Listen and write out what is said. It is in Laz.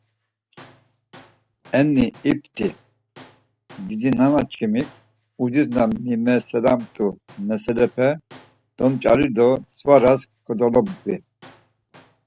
Enni ipti, didinanaçkimik ucis na mimeselamt̆u meselepe domç̌ari do svaras kodolobdvi.